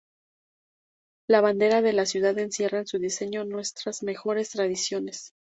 La Bandera de la Ciudad encierra en su diseño nuestras mejores tradiciones.